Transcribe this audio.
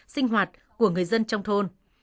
sinh hoạt của người dân trong thôn